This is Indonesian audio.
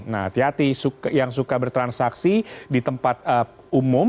nah hati hati yang suka bertransaksi di tempat umum